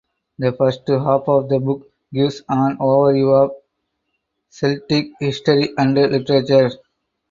The first half of the book gives an overview of Celtic history and literature.